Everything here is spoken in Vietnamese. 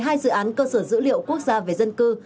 hai dự án cơ sở dữ liệu quốc gia về dân cư